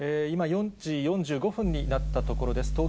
今、４時４５分になったところです。